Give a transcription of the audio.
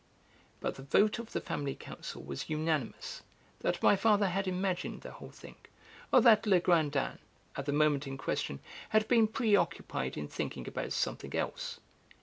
But the vote of the family council was unanimous, that my father had imagined the whole thing, or that Legrandin, at the moment in question, had been preoccupied in thinking about something else.